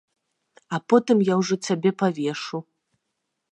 А потым я ўжо цябе павешу!